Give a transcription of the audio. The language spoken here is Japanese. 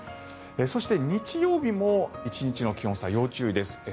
そして、日曜日も１日の気温差、要注意です。